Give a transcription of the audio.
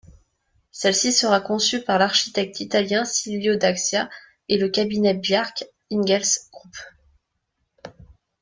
Celle-ci sera conçue par l'architecte italien Silvio d'Ascia et le cabinet Bjarke Ingels Group.